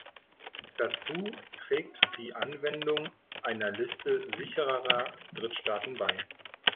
Dazu trägt die Anwendung einer Liste sicherer Drittstaaten bei.